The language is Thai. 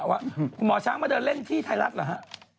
ว่าหมอช้างมาเดินเล่นที่ไทยรัฐเหรอฮะ